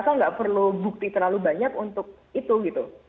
saya nggak perlu bukti terlalu banyak untuk itu gitu